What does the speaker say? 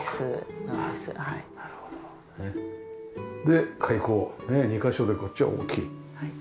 で開口２カ所でこっちは大きい。